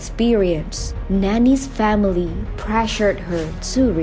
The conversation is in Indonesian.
keluarga nanny memaksa dia untuk berkahwin